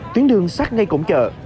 tuyến đường sát ngay cổng chợ